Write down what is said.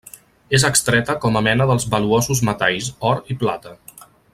És extreta com a mena dels valuosos metalls or i plata.